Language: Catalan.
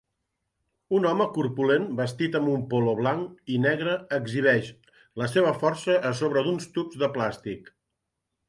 Un home corpulent vestit amb un polo blanc i negre exhibeix la seva força a sobre d'uns tubs de plàstic.